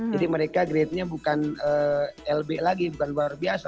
jadi mereka grade nya bukan lb lagi bukan luar biasa